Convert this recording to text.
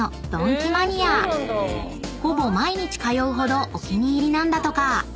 ［ほぼ毎日通うほどお気に入りなんだとか］